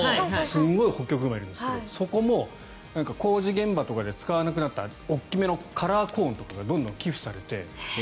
すごいホッキョクグマがいるんですがそこも工事現場とかで使わなくなった大きめのカラーコーンとかがどんどん寄付されて。